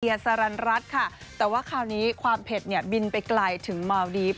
สารันรัฐค่ะแต่ว่าคราวนี้ความเผ็ดเนี่ยบินไปไกลถึงเมาดีฟ